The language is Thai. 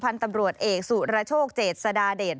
พันธุ์ตำรวจเอกสุรโชคเจษฎาเดช